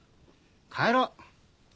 帰ろう。